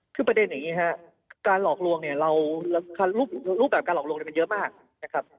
คือประเด็นอย่างนี้ครับการหลอกลวงเนี่ยเรารูปแบบการหลอกลวงมันเยอะมากนะครับ